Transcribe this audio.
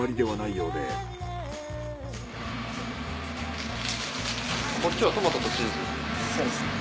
そうですね。